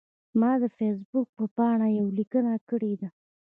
ما د فیسبوک په پاڼه یوه لیکنه کړې ده.